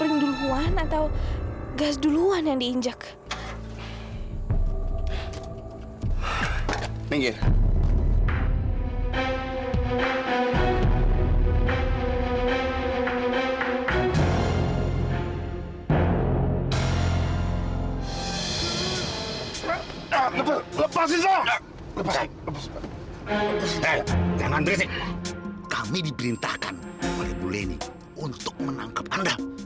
udah diam ikut kami aja